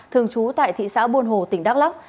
thường trú tại thị xã buôn hồ tỉnh đắk lắc